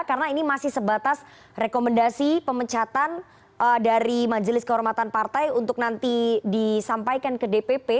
karena ini masih sebatas rekomendasi pemecatan dari majelis kehormatan partai untuk nanti disampaikan ke dpp